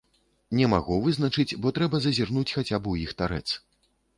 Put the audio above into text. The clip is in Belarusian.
Не магу вызначыць, бо трэба зазірнуць хаця б у іх тарэц.